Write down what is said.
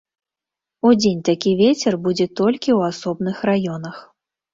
Удзень такі вецер будзе толькі ў асобных раёнах.